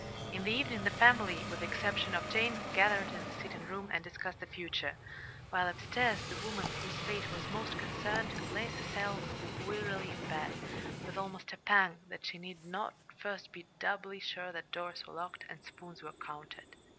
In the evening the family, with the exception of Jane, gathered in the sitting room and discussed the future, while upstairs the woman whose fate was most concerned laid herself wearily in bed with almost a pang that she need not now first be doubly sure that doors were locked and spoons were counted.